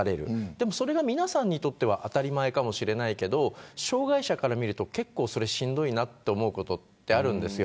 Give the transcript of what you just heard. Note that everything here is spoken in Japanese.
でも、それは皆さんにとって当たり前かもしれないけど障害者から見ると結構しんどいなと思うことがあるんです。